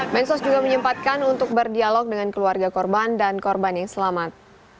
mensos juga menyempatkan untuk berdialog dengan keluarga korban dan korban yang selamat